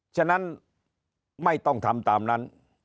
ฉะนั้นไม่ต้องทำตามนั้น